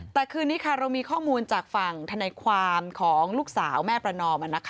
แต่คืนนี้ค่ะเรามีข้อมูลจากฝั่งธนายความของลูกสาวแม่ประนอม